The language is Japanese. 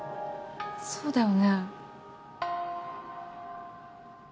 そうだよね？